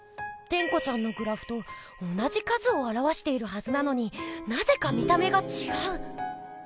テンコちゃんのグラフと同じ数をあらわしているはずなのになぜか見た目がちがう。